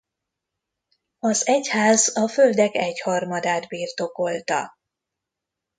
Az egyház a földek egyharmadát birtokolta.